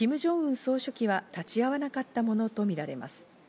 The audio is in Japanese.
総書記は立ち会わなかったものとみられます。